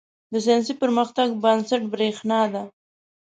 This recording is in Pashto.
• د ساینسي پرمختګ بنسټ برېښنا ده.